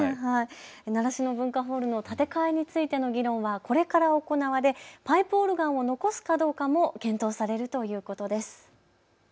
習志野文化ホールの建て替えについての議論はこれから行われパイプオルガンを残すかどうかも検討されるということです。